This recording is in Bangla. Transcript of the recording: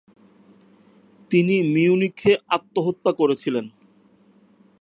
তিনি মিউনিখে আত্মহত্যা করেছিলেন ।